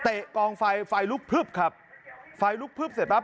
กองไฟไฟลุกพลึบครับไฟลุกพลึบเสร็จปั๊